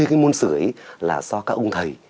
cái môn sử ấy là do các ông thầy